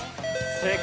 正解！